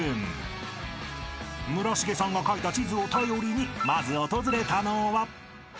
［村重さんが描いた地図を頼りにまず訪れたのは］